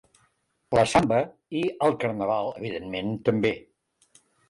La samba i el carnaval, evidentment, també.